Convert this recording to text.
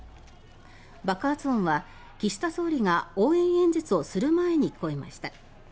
爆発音は岸田総理が応援演説をする前に聞こえました。